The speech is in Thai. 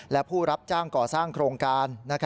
และผู้รับจ้างก่อสร้างโครงการ